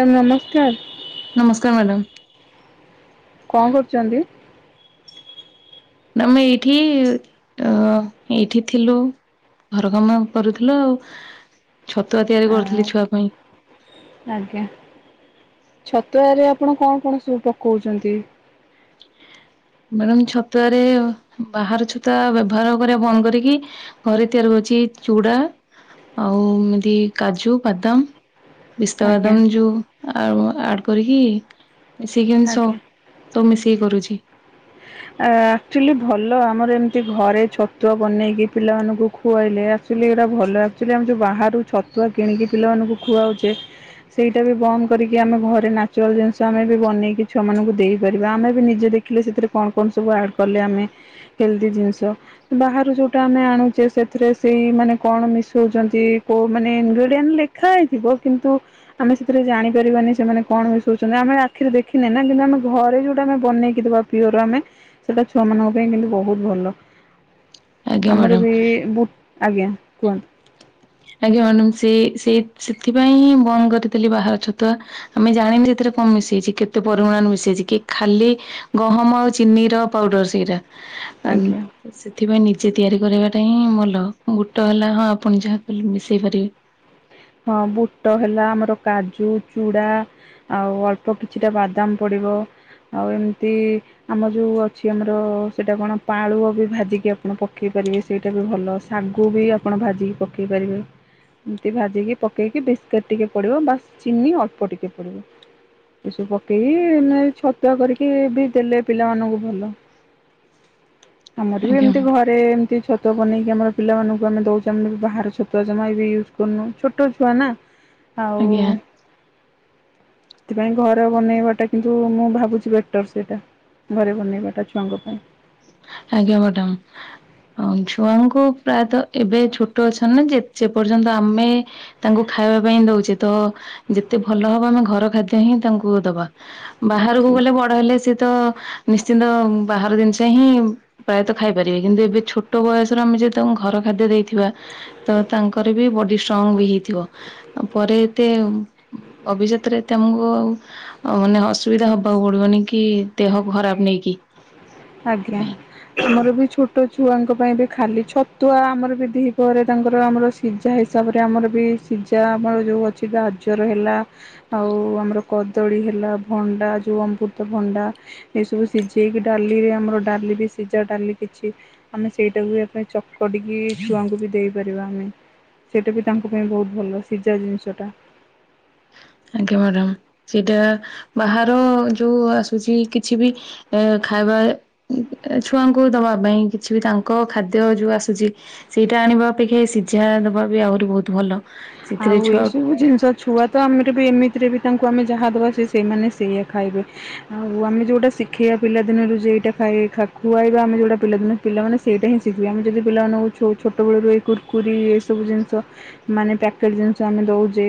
[unintelligible] ନମସ୍କାର। ନମସ୍କାର ମ୍ୟାଡ଼ାମ। କଣ କରୁଚନ୍ତି? ଆମେ ଏଇଠି ଏଇଠି ଥିଲୁ। ଘର କାମ କରୁଥିଲ ଆଉ ଛତୁଆ ତିଆରି ଆ କରୁଥିଲି ଛୁଆ ପାଇଁ। ଆଜ୍ଞା ଛତୁଆରେ ଆପଣ କଣ କଣ ସବୁ ପକଉଚନ୍ତି? ମ୍ୟାଡାମ ଛତୁଆରେ ବାହାର ଛତୁଆ ବ୍ୟବହାର କରିବା ବନ୍ଦ କରିକି ଘରେ ତିଆରି ହୋଉଚି ଚୁଡ଼ା ଆଉ ଏମିତି କାଜୁ ବାଦାମ। ପିସ୍ତା ଆଜ୍ଞା ବାଦାମ ଯୋଉ ଆ ଆଡ କରିକି ମିସେଇକି ଜିନିଷ ଆଜ୍ଞା। ତ ମିଶେଇ କରୁଛି। ଆକ୍ଚୁଆଲି ଭଲ ଆମର ଏମିତି ଘରେ ଛତୁଆ ବନେଇକି ପିଲାମାନଙ୍କୁ ଖୁଆଇଲେ ଆକ୍ଚୁଆଲି ଏଇରା ଭଲ ଆକ୍ଚୁଆଲି ଆମେ ଯୋଉ ବାହାରୁ ଛତୁଆ କିଣିକି ପିଲାମାନଙ୍କୁ ଖୁଆଉଚେ ସେଇଟା ବି ବନ୍ଦ କରିକି ଆମେ ଘରେ ନାଚୁରାଲ୍ ଜିନିଷ ଆମେ ବି ବନେଇକି ଛୁଆମାନଙ୍କୁ ଦେଇ ଆମେ ବି ନିଜେ ଦେଖିଲେ ସେଥିରେ କଣ କଣ ସବୁ ଆଡ୍ କଲେ ଆମେ ହେଲ୍ଦି ଜିନିଷ। ବାହାରୁ ଯୋଉଟା ଆମେ ଆଣୁଚେ ସେଥିରେ ସେଇ ମାନେ କଣ ମିଶଉଚନ୍ତି କୋଉ ମାନେ [unintelligible] [unintelligible] କିନ୍ତୁ ଆମେ ସେଥିରେ ଜାଣିପାରିବାନି ସେମାନେ କଣ ବି ମିଶଉଚନ୍ତି ଆମେ ଆଖିରେ ଦେଖିନେ ନା କିନ୍ତୁ ଆମେ ଘରେ ଯୋଉଟା ଆମେ ବନେଇକିଦବା ପିଓର ଆମେ ସେଟା ଛୁଆ ମାନଙ୍କ ପାଇଁ କିନ୍ତୁ ବୋ ହୁତ ଭଲ। ଆଜ୍ଞା ଆମର ମ୍ୟାଡ଼ାମ ବି ବୁ ଆଜ୍ଞା କୁହନ୍ତୁ। ଆଜ୍ଞା ମ୍ୟାଡାମ ସେ ସେଇ ସେଥିପାଇଁ ହିଁ ବନ୍ଦ କରିଥିଲି ବାହାର ଛତୁଆ। ଆମେ ଜାଣିନେ ଏଥିରେ କଣ ମିଶେଇଚି କେତେ ପରିମାଣ ମିଶେଇଚି କି ଖାଲି ଗହମ ଆଉ ଚିନି ର ପାଉଡର ସେଇଟା ଆଜ୍ଞା ସେଥିପାଇଁ ନିଜେ ତିଆରି କରିବାଟା ହିଁ ଭଲ। ବୋଟ ହେଲା ହଁ ଆପଣ ଯାହା ଭି ମିଶେଇ ପାରିବେ। ହଁ ବୁଟ ହେଲା ଆମର କାଜୁ, ଚୁଡା ଆଉ ଅଳ୍ପ କିଛିଟା ବାଦାମ ପଡ଼ିବ। ଆଉ ଏମିତି ଆମ ଯୋଉ ଅଛି ଆମର ସେଇଟା କଣ ପାଳୁଅ ବି ଭାଜିକି ଆପଣ ପକେଇ ପାରିବେ। ସେଇଟା ବି ଭଲ ଶାଗୁ ବି ଆପଣ ଭାଜିକି ପକେଇ ପାରିବେ। ଏମିତି ଭାଜି ଭାଜିକି ପକେଇକି ବିସ୍କୁଟ ଟିକେ ପଡିବ ବା ଚିନି ଅଳ୍ପ ଟିକେ ପଡିବ। ଏସବୁ ପକେଇକିେ ଛତୁଆ କରିକି ବି ଦେଲେ ପିଲାମାନଙ୍କୁ ଭଲ। ଆମର ବି ଆଜ୍ଞା ଏମତି ଘରେ ରେ ଏମିତି ଛତୁଆ ବନେଇକି ଆମର ପିଲାମାନଙ୍କୁ ଆମେ ଦେଉଛୁ ବି ବାହାର ଛତୁଆ ଜମା ବି ୟୁଜ୍ କରୁନୁ। ଛୋଟ ଛୁଆ ନା। ଆଉ ଆଜ୍ଞା ସେଥିପାଇଁ ଘରେ ବନେଇବାଟା କିନ୍ତୁ ମୁଁ ଭାବୁଛି ବେଟର ସେଇଟା ଘରେ ବନେଇବାଟା ଛୁଆଙ୍କ ପାଇଁ। ଆଜ୍ଞା ମାଡାମ। ଛୁଆଙ୍କୁ ପ୍ରାୟତଃ ଏବେ ଛୋଟ ଅଛନ୍ତି ନା ଯେ ପର୍ଯ୍ୟନ୍ତ ଆମେ ତାଙ୍କୁ ଖାଇବା ପାଇଁ ଦଉଛେ ତ ଯେତେ ଭଲ ହବ ଆମେ ଘର ଖାଦ୍ୟ ହିଁ ତାଙ୍କୁ ଦବା। ବାହାରକୁ ଅଛି ଗଲେ ବଡ ହେଲେ ସିଏ ତ ନିଶ୍ଚିନ୍ତ ବାହାର ଜିନିଷ ହିଁ ପ୍ରାୟତଃ ଖାଇପାରିବେ କିନ୍ତୁ ଏବେ ଛୋଟ ବୟସର ଆମେ ଯଦି ତାଙ୍କୁ ଘର ଖାଦ୍ୟ ଦେଇଥିବା ତ ତାଙ୍କର ବି ବଡି ଷ୍ଟ୍ରଙ୍ଗ ବି ହେଇଥିବ। ଆଉ ପରେ ଏତେ ଭବିଷ୍ୟତ ରେ ଏତେ ଆମକୁ ଆଉ ଆ ମାନେ ଅସୁବିଧା ହବାକୁ ପଡିବନି କି ଦେହକୁ ଖରାପ ନେଇକି। ଆଜ୍ଞା ସେଥିପାଇଁ। ଆମର ବି ଛୋଟ ଛୁଆଙ୍କ ପାଇଁ ବି ଖାଲି। ଛତୁଆ ଆମର ବି ଦିପହରେ ତାଙ୍କର ଆମର ସିଜା ହିସାବରେ ଆମର ବି ସିଜା ଆମର ଯେଉଁ ଅଛି ଗଜର ହେଲା ଆଉ ଆମର କଦଳୀ ହେଲା ଭଣ୍ଡା ଯେଉଁ ଅମୃତ ଭଣ୍ଡା। ଏ ସବୁ ସିଜେଇକି ଡାଲିରେ ଆମର ଡାଲି ବି ସିଜା ଡାଲି କିଛି ଆମେ ସେଇଟାକୁ ବି ଆମେ ଚକଟିକି ଛୁଆଙ୍କୁ ବି ଦେଇପାରିବା ଆମେ। ସେଇଟା ବି ତାଙ୍କ ପାଇଁ ବହୁତ ଭଲ ସିଜା ଜିନିଷଟା। ଆଜ୍ଞା ମ୍ୟାଡମ! ସେଟା ବାହାର ଯୋଉ ଆସୁଛି କିଛି ବି ଏ ଖାଇବା ଛୁଆଙ୍କୁ ଦବା ପାଇଁ କିଛି ବି ତାଙ୍କ ଖାଦ୍ୟ ଯୋଉ ଆସୁଛି ସେଇଟା ଆଣିବା ଅପେକ୍ଷା ଏ ସିଜା ଦବା ବି ଆହୁରି ବହୁତ ଭଲ। ସେଥିରେ ଆଉ ଏ ଛୁଆ ସବୁ ଜିନିଷ ଛୁଆ ତ ଆମର ବି ଏମିତିରେ ବି ତାଙ୍କୁ ଆମେ ଯାହା ଦେବା ସେ ସେଇମାନେ ସେୟା ଖାଇବେ। ଆଉ ଆମେ ଯୋଉଟା ଶିଖେଇବା ପିଲାଦିନରୁ ଯେ ଏଇଟା ଖାଇ ଖା ଖୁଆଇବା ଆମେ ଯୋଉଟା ପିଲାଦିନେ ପିଲାମାନେ ସେଇଟା ହିଁ ଶିଖିବେ। ଆମେ ଯଦି ପିଲାମାନଙ୍କୁଛ ଛୋଟବେଳୁ ଏଇ କୁର୍କୁରିୀ ଏସବୁ ଜିନିଷ ମାନେ ପ୍ୟାକେଟ ଜିନିଷ ଆମେ ଦଉଛେ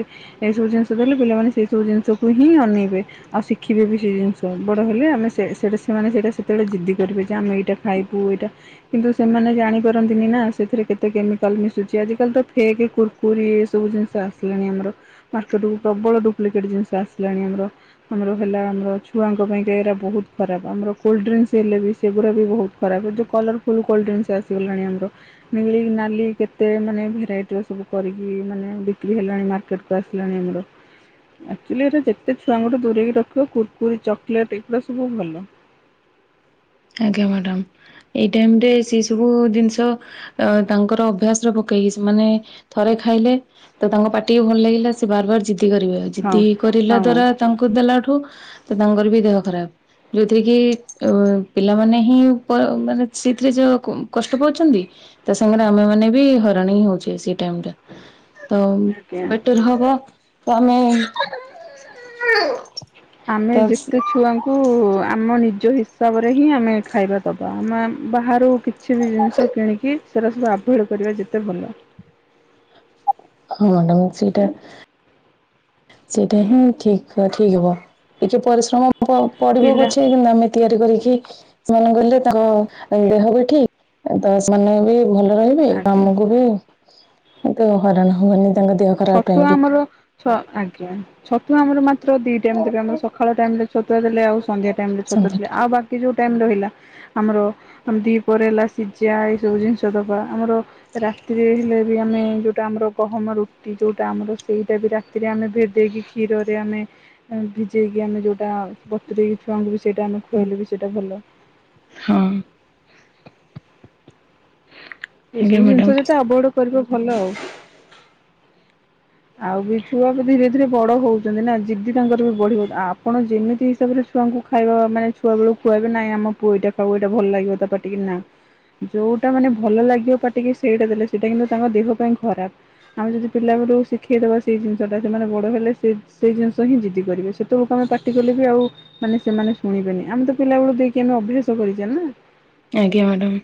ଏଇସବୁ ଜିନିଷ ଦେଲେ ପିଲାମାନେ ସେଇ ସବୁ ଜିନିଷକୁ ହିଁ ଅନେଇବେ। ଆଉ ଶିଖିବେ ବି ସେ ଜିନିଷ ବଡ଼ ହେଲେ ଆମେ ସେଇଟା ସେମାନେ ସେଇଟା ସେତେବେଳେ ଜିଦ୍ଦି କରିବେ ଯେ ଆମେ ଏଇଟା ଖାଇପୁ ଏଇଟା କିନ୍ତୁ ସେମାନେ ଜାଣିପାରନ୍ତିନି ନା ସେଥିରେ କେତେ କେମିକାଲ ମିଶୁଛି ଆଜିକାଲି ତ ଫେକ୍ କୁର୍କୁରି ସବୁ ଜିନିଷ ଆସିଲାଣି ଆମର। ମାର୍କେଟକୁ ପ୍ରବଳ ଡୁପ୍ଲିକେଟ ଜିନିଷ ଆସିଲାଣି ଆମର। ଆମର ହେଲା ଆମର ଛୁଆଙ୍କ ପାଇଁକା ଏରା ବହୁତ ଖରାପ ଆମର। କୋଲ୍ଡ୍ରିଙ୍କସ୍ ହେଲେ ବି ସେଗୁଡା ବି ବହୁତ ଖରାପ କଲର ଫୁଲ କୋଲଡ୍ରିଙ୍କ ସେ ଆସିଗଲାଣି ଆମର। ନେଳି, ନାଲି କେତେ ମାନେ ଭେରାଇଟିର ସବୁ କରିକି ମାନେ ବିକ୍ରି ହେଲାଣି ମାର୍କେଟ କୁ ଆସିଲାଣି ଆମର। ଆକ୍ଚୁଆଲି ଏଇଟା ଯେତେ ଛୁଆଙ୍କ ଠୁ ଦୂରେଇକି ରଖିବ କୁର୍କୁରି, ଚକୋଲେଟ୍ ଏଗୁଡ଼ା ସବୁ ଭଲ। ଆଜ୍ଞା, ମ୍ୟାଡାମ ଏଇ ଟାଇମ୍ ରେ ସେଇ ସବୁ ଜିନିଷ ଏଁ ତାଙ୍କର ଅଭ୍ୟାସରେ ପକେଇକି ସେମାନେ ଥରେ ଖାଇଲେ ତ ତାଙ୍କ ପାଟିକୁ ଭଲ ଲାଗିଲା ସେ ବାର ବାର ଜିଦି କରିବେ, ହଁ ଜିଦି କରିଲା ହଁ ଦ୍ଵାରା ତାଙ୍କୁ ଦେଲାଠୁ ତ ତାଙ୍କର ବି ଦେହ ଖରାପ ଯୋଉଥିରେ କି ଅ ପିଲାମାନେ ହିଁ ପ ମାନେ ସେଇଥିରେ ଯୋ କଷ୍ଟ ପାଉଛନ୍ତି। ତା ସାଙ୍ଗରେ ଆମେ ମାନେ ବି ହଇରାଣ ହି ହଉଛେ ସେଇ ଟାଇମ୍। ତ ଆଜ୍ଞା ବେଟର ହବ ତ ଆମେ ଆମେ ତ- ଯେତି ଛୁଆଙ୍କୁ ଆମ ନିଜ ହିସାବରେ ହିଁ ଆମେ ଖାଇବା ଦବା, ଆମେମ୍ ବାହାରୁ କିଛି ବି ଜିନିଷ କିଣିକି ସେରା ସବୁ ଆଭୋଏଡ଼୍ କରିବା ଯେତେ ଭଲ। ହଁ ମ୍ୟାଡମ୍ ସେଇଟା ସେଇଟା ହିଁ ଠିକ୍ ଠିକ୍ ହବ ଟିକେ ପରିଶ୍ରମ ପ ପଡିବ ପିଲା ପଛେ କିନ୍ତୁ ଆମେ ତିଆରି କରିକି ସେମାନ ଗଲେ ତାଙ୍କ ଦେହ ବି ଠିକ୍ ତ ସେମାନେ ବି ଭଲ ରହି ବେ ଆଜ୍ଞା। ଆମକୁ ବି ଏତେ ହଇରାଣ ହବାନି ତାଙ୍କ ଦେହକୁ ଛତୁଆ ଆମର ଛ ଆଜ୍ଞା ଛତୁଆ ଆମର ମାତ୍ର ଦି ଟାଇମ୍ ଦେବେ ଆମର ସଖାଳ ଟାଇମ ରେ ଛତୁଆ ଦେଲେ ଆଉ ସନ୍ଧ୍ୟା ଟାଇମ୍ ରେ ଛତୁଆ ଦେଲେ ସନ୍ଧ୍ୟାଟା। ଆଉ ବାକି ଯୋଉ ଟାଇମ୍ ରହିଲା। ଆମର ଆମେ ଦି ପରେ ହେଲା ସିଜା ଏଇସବୁ ଜିନିଷ ଦବା ଆମର ରାତିରେ ହେଲେ ବି ଆମେ ଯୋଉଟା ଆମର ଗହମ ରୁ ରୁଟି ଯୋଉଟା ଆମର ସେଇଟା ବି ରାତିରେ ଆମେ ଭେଦେଇକି କ୍ଷୀରରେ ଆମେ ଏଁ ଭିଜେଇକି ଆମେ ଯୋଉଟା ବତୁରେଇକି ଛୁଆଙ୍କୁ ବି ସେଇଟା ଆମେ ଖୁଆଲେ ବି ସେଇଟା ଭଲ। ହଁ। ଏଇ ଆଜ୍ଞା ସବୁ ମ୍ୟାଡ଼ାମ ଜିନିଷ ଯେତେ ଆଭୋଏଡ୍ କରିବ ଭଲ ଆଉ। ଆଉ ବି ଛୁଆ ବି ଧୀରେ ଧୀରେ ବଡ ହଉଚନ୍ତି ନା ଜିଦି ତାଙ୍କର ବି ବଢିବ ଆପଣ ଯେମିତି ହିସାବରେ ଛୁଆଙ୍କୁ ଖାଇବା ମାନେ ଛୁଆ ବେଳୁ ଖୁଆଇବେ ନାଇଁ ଆମ ପୁଅ ଏଇଟା ଖାଉ ଏଇଟା ଭଲ ଲାଗିବ ତା ପାଟିକି ନା। ଯୋଉଟା ମାନେ ଭଲ ଲାଗିବ ପାଟିକି ସେଇଟା ଦେଲେ ସେଇଟା କିନ୍ତୁ ତାଙ୍କ ଦେହ ପାଇଁ ଖରାପ। ଆମେ ଯଦି ପିଲାବେଳୁ ଶି ଶିଖେଇ ଦବା ସେହି ଜିନିଷଟା ସେମାନେ ବଡ଼ ହେଲେ ସେ ସେଇ ଜିନିଷ ହିଁ ଜିଦି କରିବେ ସେତେବେଳକୁ ଆମେ ପାଟି କଲେ ବି ଆଉ ମାନେ ସେମାନେ ଶୁଣିବେନି ଆମେ ତ ପିଲା ବେଳୁ ଦେଇକି ଆମେ ଅଭ୍ୟାସ କରିଚେ ନା। ଆଜ୍ଞା ମ୍ୟାଡ଼ାମ୍।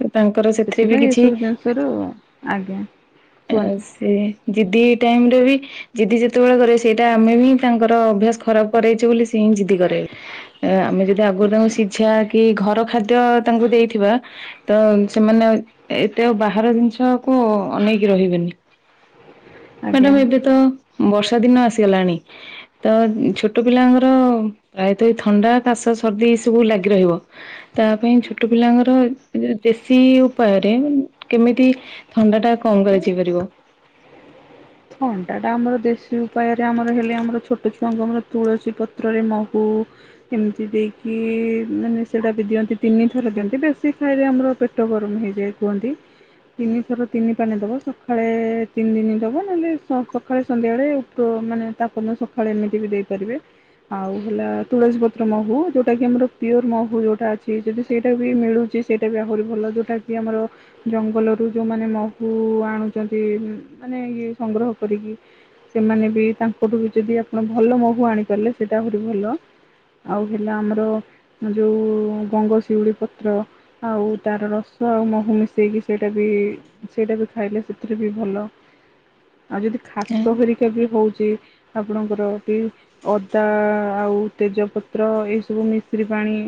ତ ତାଙ୍କର ସେଥିରେ ବି ସେଥିପାଇଁ କିଛି ଏସବୁ ଜିନିଷରୁ ଆଜ୍ଞା ଆ କୁହନ୍ତୁ ସେ ଜିଦି ଟାଇମ୍ ରେ ବି ଜିଦି ଯେତେବେଳେ କରିବେ ସେଇଟା ଆମେ ହିଁ ତାଙ୍କର ଅଭ୍ୟାସ ଖରାପ କରେଇଚେ ବୋଲି ସେ ହିଁ ଜିଦି କରିବେ। ଏଁ ଆମେ ଯଦି ଆଗରୁ ତାଙ୍କୁ ଆଜ୍ଞା ସିଝା କି ଘର ଖାଦ୍ୟ ତାଙ୍କୁ ଦେଇଥିବା ତ ସେମାନେ ଆଉ ଏ ଏତେ ଆଉ ବାହାର ଜିନିଷକୁ ଅନେଇକି ରହିବେନି। ମ୍ୟାଡ଼ାମ୍ ଆଜ୍ଞା। ଏବେ ତ ବର୍ଷା ଦିନ ଆସିଗଲାଣି ତ ଛୋଟ ପିଲାଙ୍କର ପ୍ରାୟତଃ ଏ ଥଣ୍ଡା କାଶ, ସର୍ଦ୍ଦି ଏସବୁ ଲାଗି ରହିବ ତା ପାଇଁ ଛୋଟ ପିଲାଙ୍କର ଦେଶୀ ଉପାୟରେ କେମିତି ଥଣ୍ଡା ଟା କମ୍ କରାଯାଇ ପାରିବ। ଥଣ୍ଡା ଟା ଆମର ଦେଶୀ ଉପାୟରେ ଆମର ହେଲେ ଆମର ଛୋଟ ଛୁଆଙ୍କୁ ଆମର ତୁଳସୀ ପତ୍ରରେ ମହୁ ଏମିତି ଦେଇକି ମାନେ ସେଇଟା ବି ଦିଅନ୍ତି ତିନିଥର ଦିଅନ୍ତି ବେଶୀ ଖାଇଲେ ଆମର ପେଟ ପେଟ ଗରମ ହେଇଯାଏ, କୁହନ୍ତି ତିନିଥର ତିନି ପାନେ ଦବ ସକାଳେ ତିନି ଦିନ ଦବ। ମାନେ ସକାଳେ ସନ୍ଧ୍ୟାବେଳେ ଉପ ମାନେ ତାପ ସକାଳେ ଏମିତି ବି ଦେଇପାରିବେ। ଆଉ ହେଲା ତୁଳସୀ ପତ୍ର ମହୁ ଯୋଉଟା କି ଆମର ପିଓର ମହୁ ଯୋଉଟା ଅଛି ଯଦି ସେଇଟା ବି ମିଳୁଛି ସେଇଟା ବି ଆହୁରି ଭଲ ଯେଉଟାକି ଆମର ଜଙ୍ଗଲରୁ ଯୋଉମାନେ ମହୁ ଆଣୁଛନ୍ତି ମାନେ ଇଏ ସଂଗ୍ରହ କରିକି ସେମାନେ ବି ତାଙ୍କଠୁ ବି ଯଦି ଆପଣ ଭଲ ମହୁ ଆଣି ପାରିଲେ ସେଇଟା ଆହୁରି ଭଲ। ଆଉ ହେଲା ଆମର ଯୋଉ ଗଙ୍ଗଶିଉଳି ପତ୍ର। ଆଉ ତାର ରସ ଆଉ ମହୁ ମିଶାଇକି ସେଇଟା ବି ସେଇଟା ବି ଖାଇଲେ ସେଥିରେ ବି ଭଲ। ଆଉ ଯଦି ଖାସ ହେରିକା ବି ହଉଛି ଆପଣଙ୍କର ବି ଅଦା ଆଉ ତେଜପତ୍ର ଏ ସବୁ ମିଶ୍ରି ପାଣି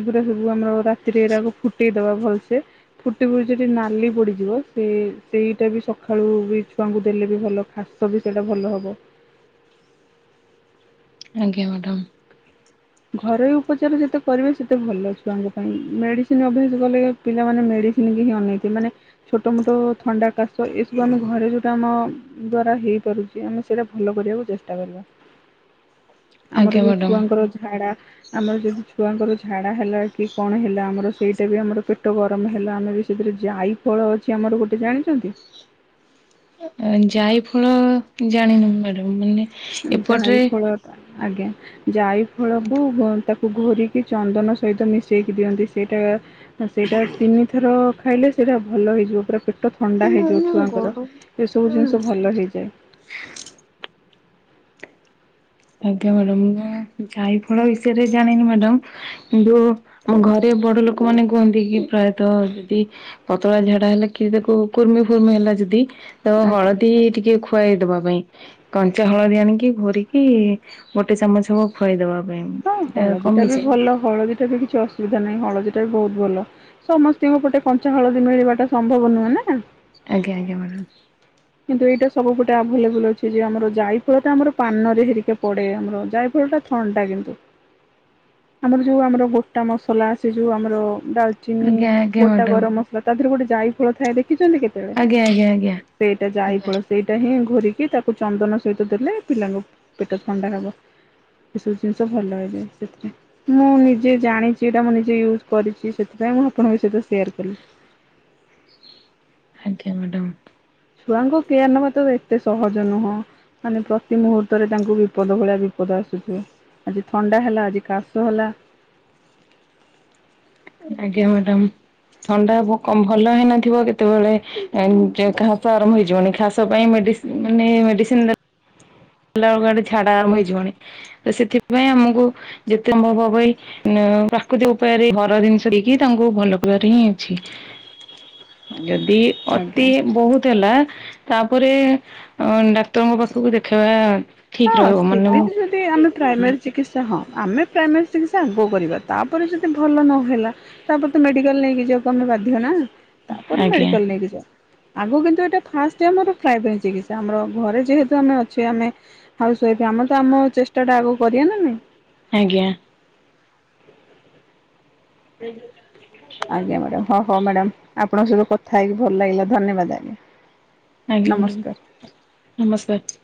ଏଗୁଡା ସବୁ ଆମର ସେଥିରେ ତାକୁ ଫୁଟେଇଦବା ଭଲସେ। ଫୁଟି ଫୁଟି ସେଠି ନାଲି ପଡିଯିବ ସେ ସେଇଟା ବି ସକାଳୁ ବି ଛୁଆଙ୍କୁ ଦେଲେ ବି ଭଲ ଖାସ ବି ସେଇଟା ଭଲ ହେବ। ଆଜ୍ଞା ମ୍ୟାଡ଼ାମ୍। ଘରୋଇ ଉପଚାର ଯେତେ କରିବେ ସେତେ ଭଲ ଛୁଆଙ୍କ ପାଇଁ ମେଡିସିନ ଅଭ୍ୟାସ କଲେ ପିଲାମାନେେ ମେଡିସିନ୍ କି ହିଁ ଅନେଇେବେ ମାନେ ଛୋଟମୋଟ ଥଣ୍ଡା କାଶ ଏସବୁ ଆମ ଘରେ ଯେଉଁଟା ଆମ ଦ୍ଵାରା ହେଇପାରୁଛି ଆମେ ସେଇଟା ଭଲ କରିବାକୁ ଚେଷ୍ଟା କରିବା ଆମର ଆଜ୍ଞା ବି ମ୍ୟାଡ଼ାମ ଛୁଆଙ୍କର ଝାଡା ଆମର ଯଦି ଛୁଆଙ୍କର ଝାଡା ହେଲା କି କଣ ହେଲା ଆମର ସେଇଟା ବି ଆମର ପେଟ ଗରମ ହେଲା ଆମେ ବି ସେଥିରେ ଯାଇ ଫଳ ଅଛି ଆମର ଗୋଟେ ଜାଣିଛନ୍ତି ଯାଇ ଫଳ ଜାଣିନି ମ୍ୟାଡ଼ାମ୍ ମାନେ ଜାଇ ଏପଟରେ ଫଳ ଆଜ୍ଞା ଜାଇ ଫଳକୁ ହୁଅ ତାକୁ ଘୋରିକି ଚନ୍ଦନ ସହିତ ମିଶାଇକି ଦିଅନ୍ତି ସେଇଟା ଆଉ ସେଇଟା ତିନିଥର ଖାଇଲେ ସେଇଟା ଭଲ ହେଇଯିବ ପୁରା ପେ ପୋଟ ଥଣ୍ଡା ହେଇଯିବ ଛୁଆଙ୍କର ଏସବୁ ଜିନିଷ ଭଲ ହେଇଯାଏ। ଆଜ୍ଞା ମ୍ୟାଡାମ୍ ମୁଁ ଯାଇ ଫଳ ବିଷୟରେ ଜାଣିନି ମ୍ୟାଡମ୍ [unintelligible] କିନ୍ତୁ ଆମ ଘରେ ବଡ ଲୋକ ମାନେ କୁହନ୍ତି କି ପ୍ରାୟତଃ ଯଦି ପତଳା ଝାଡା ହେଲେ କି ତାକୁ କୁର୍ମି ଫୁର୍ମି ହେଲା ଯଦି ତ ଆଜ୍ଞା ହଳଦୀ ଟିକେ ଖୁଆଇଦବା ପାଇଁ କଞ୍ଚା ହଳଦୀ ଆଣିକି ଘୋରିକି କି ଗୋଟେ ଚାମଚ ହବ ଖୁଆଇଦବା ପାଇଁ ସେଟା କମିଯାଏ। ହେଲେ ହଳଦୀ ସେଥିରେ କିଛି ଅସୁବିଧା ନାହିଁ ହଳଦୀ ଟା ବି ବହୁତ୍ ଭଲ। ସମସ୍ତଙ୍କ ପଟେ କଞ୍ଚା ହଳଦୀ ମିଳିବା ଟା ସମ୍ଭବ ନୁହେଁ ନା ଆଜ୍ଞା ଆଜ୍ଞା ମ୍ୟାଡ଼ମ। କିନ୍ତୁ ଏଇଟା ସବୁପଟେ ଆଭେଲେବୁଲ ଅଛି ଯେ ଆମର ଯାଇ ଫଳଟା ଆମର ପାନରେ ହେରିକେ ପଡେ ଆମର ଯାଇଫଳଟା ଥଣ୍ଡା ଟା କିନ୍ତୁ ଆମର ଯୋଉ ଆମର ଗୋଟା ମସଲା ଆସି ଯୋଉ ଆମର ଡାଲଚ ଚିନି ଆଜ୍ଞା ଆଜ୍ଞା ଗୋଟା ମ୍ୟାଡ଼ାମ ଗରମ ମସଲା ତା ଦେହରେ ଗୋଟେ ଯାଇ ଫଳ ଥାଏ ଦେଖିଛନ୍ତି କେତେ ଆଞା, ଆଜ୍ଞା, ଆଜ୍ଞା ସେଇଟା ଯାଇ ଆଜ୍ଞା ପଳ ସେଇଟା ହିଁ ଘରିକି ତାକୁ ଚନ୍ଦନ ସହିତ ଦେଲେ ପିଲାଙ୍କ ପେଟ ଥଣ୍ଡା ହବ ଏସବୁ ଜିନିଷ ଭଲ ହୋଇଇଯାଏ [unintelligible] ମୁଁ ନିଜେ ଜାଣିଛି ଏଇଟା ମୁଁ ନିଜେ ୟୁଜ୍ କରିଛି ସେଥିପାଇଁ ମୁଁ ଆପଣଙ୍କ ସହିତ ସେୟାର କଲି। ଆଜ୍ଞା ମ୍ୟାଡ଼ାମ୍ ଛୁଆଙ୍କୁ କେୟାର ନେବା ତ ଏତେ ସହଜ ନୁହଁ। ମାନେ ପ୍ରତି ମୁହୂର୍ତ୍ତରେ ତାଙ୍କୁ ବିପଦ ଭଳିଆ ବିପଦ ଆସୁଥିବ। ଆଜି ଥଣ୍ଡା ହେଲା ଆଜି କାଶ ହେଲା ଆଜ୍ଞା ମ୍ୟାଡ଼ାମ। ଥଣ୍ଡା ହେବ ଭଲ ହେଇନଥିବ କେତେବେଳେ ଖାସ ଆରମ୍ଭ ହେଇଯିବନି ଖାସ ପାଇଁ ମେଡି ମାନେ ମେଡିସିନ ହେଲା ବେଳକୁଆଡେ ଝାଡା ଆରମ୍ଭ ହେଇଯିବଣି ତ ସେଥିପାଇଁ ଆମକୁ ଯେତେ ଅନୁଭବ ହବ ପ୍ରାକୃତିକ ଉପାୟରେ ଘର ଜିନିଷ ଦେଇକି ତାଙ୍କୁ ଭଲ କିବାରେ ହିଁ ଅଛି। ଯଦି ଅତି ଆଜ୍ଞା। ବହୁତ ହେଲା ତାପରେ ଡାକ୍ତରଙ୍କ ପାଖକୁ ଦେଖ। ଖା [unintelligible] ଯଦି ଆମେ ପ୍ରାଇମେରୀ ଚିକିତ୍ସା ହଁ ଆମେ ପ୍ରାଇମେରୀ ଚିକିତ୍ସା ଆଗ କରିବା ତାପରେ ଯଦି ଭଲ ନହେଲା। ତାପରେ ତ ମେଡିକାଲ ନେଇକି ଯିବାକୁ ଆମେ ବାଧ୍ୟ ନା ତାପରେ ଆଜ୍ଞା ମେଡିକାଲ ନେଇକି ଯ ଆଗ କିନ୍ତୁ ଏଇଟା ଫାଷ୍ଟ ଆମର ପ୍ରାଇଭେଟ୍ ପାଇଁ ଚିକିତ୍ସା ଆମର ଘରେ ଯେହେତୁ ଆମେ ଅଛେ ଆମେ ହାଉସ ୱାଇଫ ଆମର ତ ଆମ ଚେଷ୍ଟା ଟା ଆଗ କରିବା ନା ନାଇଁ। ଆଜ୍ଞା [inaudible] ଆଜ୍ଞା ମ୍ୟାଡ଼ାମ ହଁ ହଁ ମ୍ୟାଡ଼ାମ ଆପଣଙ୍କ ସହିତ କଥା ହେଇକି ଭଲ ଲାଗିଲା ଧନ୍ୟବାଦ ଆଜ୍ଞା। ଆଜ୍ଞ ନମସ୍କାର। ମ୍ୟାଡ଼ାମ ନମସ୍କାର।